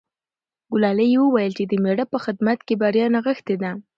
ګلالۍ وویل چې د مېړه په خدمت کې بریا نغښتې ده.